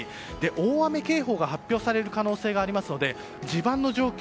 大雨警報が発表される可能性がありますので地盤の状況